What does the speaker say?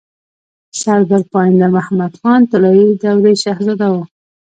سردار پاينده محمد خان طلايي دورې شهزاده وو